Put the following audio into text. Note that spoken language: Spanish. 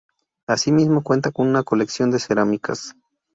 Asimismo cuenta con una colección de cerámicas.